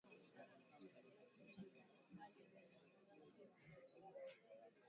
Kimeta husababishwa na bakteria au kiini kinachoweza kuishi udongoni kwa miaka mingi